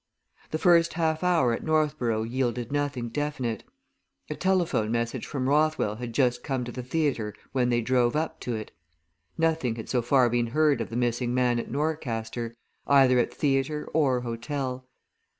The first half hour at Northborough yielded nothing definite. A telephone message from Rothwell had just come to the theatre when they drove up to it nothing had so far been heard of the missing man at Norcaster either at theatre or hotel.